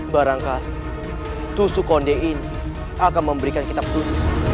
barangkali tusuk konde ini akan memberikan kitab tuhan